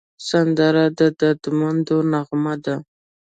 سندره د دردمندو نغمه ده